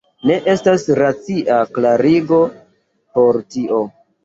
Ne estas racia klarigo por tio.